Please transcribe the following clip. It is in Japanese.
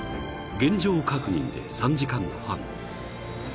［現状確認で３時間半］